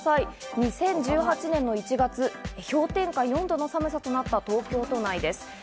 ２０１８年の１月、氷点下４度の寒さとなった東京都内です。